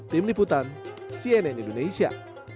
tim liputan cnn indonesia